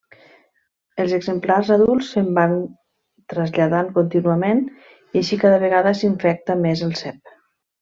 Els exemplars adults se'n van traslladant contínuament i així cada vegada s'infecta més el cep.